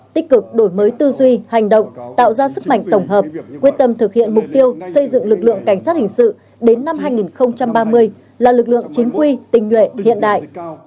tích cực đổi mới tư duy hành động tạo ra sức mạnh tổng hợp quyết tâm thực hiện mục tiêu xây dựng lực lượng cảnh sát hình sự đến năm hai nghìn ba mươi là lực lượng chính quy tình nhuệ hiện đại